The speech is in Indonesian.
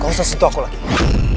kau gak usah sentuh aku lagi